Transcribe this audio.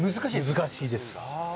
難しいです。